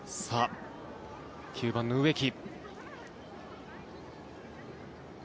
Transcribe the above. ９番の植木。